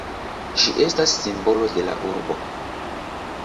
Ĝi estas simbolo de la urbo.